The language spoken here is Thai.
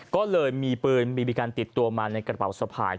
ก็เลยมีปืนบีบีกันติดตัวมาในกระเป๋าสะพาย